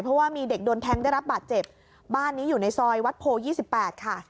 เพราะว่ามีเด็กโดนแทงได้รับบาดเจ็บบ้านนี้อยู่ในซอยวัดโพ๒๘ค่ะ